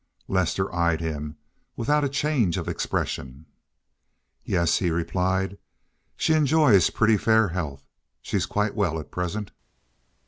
Lester eyed him without a change of expression. "Yes," he replied. "She enjoys pretty fair health. She's quite well at present."